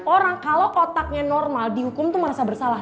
orang kalo otaknya normal dihukum tuh merasa bersalah